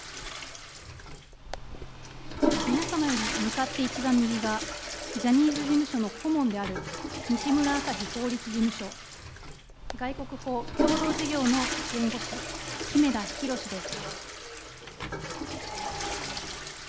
皆様より向かって一番右が、ジャニーズ事務所の顧問であるにしむらあさひ法律事務所、外国ほう共同事業の弁護士、木目田裕です。